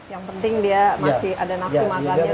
yang penting dia masih ada nafsu makannya